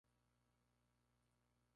Ya a los ocho años soñaba con boxear.